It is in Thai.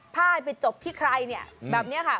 ถ้าให้ไปจบที่ใครเนี่ยแบบนี้ค่ะ